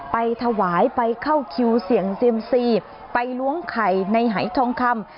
ไปถวายไปเข้าคิวเสี่ยงเซียมซีไปล้วงไข่ในหายทองคำ